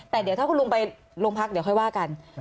แต่เดี๋ยวถ้าคุณลุงไปโรงพักเดี๋ยวค่อยว่ากัน